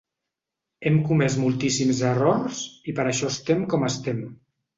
Hem comès moltíssims errors i per això estem com estem.